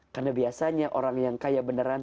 karena biasanya orang yang kaya beneran